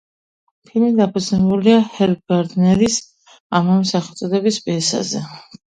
ფილმი დაფუძნებულია ჰერბ გარდნერის ამავე სახელწოდების პიესაზე.